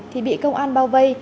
thì bị công an bao vây